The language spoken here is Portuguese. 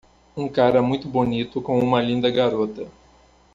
um cara muito bonito com uma linda garota